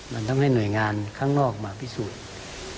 มันทำให้หน่วยงานข้างนอกมาพิสูจน์